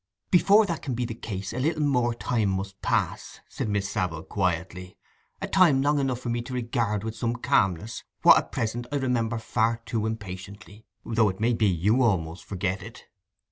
'Before that can be the case a little more time must pass,' said Miss Savile quietly; 'a time long enough for me to regard with some calmness what at present I remember far too impatiently—though it may be you almost forget it.